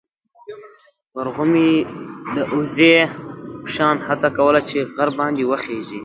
ورغومي د وزې په شان هڅه کوله چې غر باندې وخېژي.